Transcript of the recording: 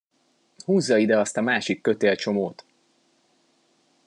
Húzza ide azt a másik kötélcsomót!